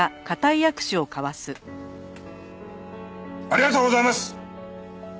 ありがとうございます！